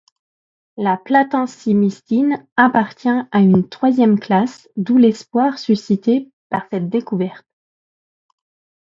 La platensimycine appartient à une troisième classe, d'où l'espoir suscité par cette découverte.